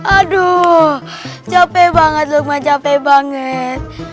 aduh capek banget lumayan capek banget